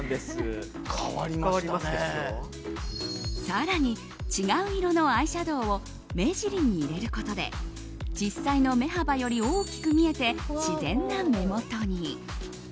更に違う色のアイシャドーを目尻に入れることで実際の目幅より大きく見えて自然な目元に。